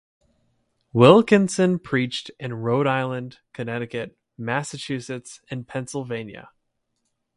Wilkinson preached in Rhode Island, Connecticut, Massachusetts, and Pennsylvania.